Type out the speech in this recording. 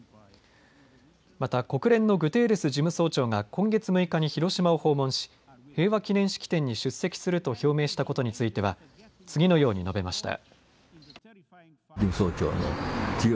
また国連のグテーレス事務総長が今月６日に広島を訪問し平和記念式典に出席すると表明したことについては次のように述べました。